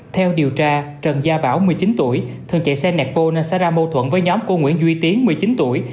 theo điều tra trần gia bảo một mươi chín tuổi thường chạy xe nẹt bô nên xảy ra mâu thuẫn với nhóm của nguyễn duy tiến một mươi chín tuổi